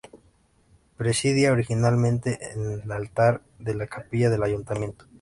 Presidía originalmente el altar de la capilla del ayuntamiento.